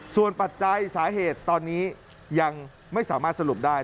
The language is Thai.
ส่วนปัจจัยสาเหตุตอนนี้ยังไม่สามารถสรุปได้